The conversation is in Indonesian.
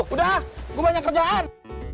udah gue banyak kerjaan